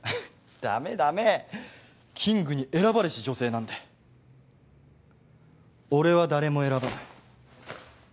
ダメダメキングに選ばれし女性なんで「俺は誰も選ばない」